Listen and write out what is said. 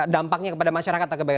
dampaknya kepada masyarakat